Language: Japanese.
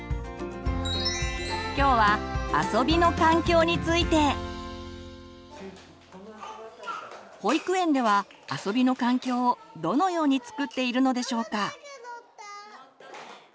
今日は保育園では遊びの環境をどのように作っているのでしょうか。